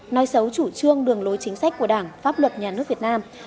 nói xấu chủ trương đường lối chính sách của đảng pháp luật nhà nước việt nam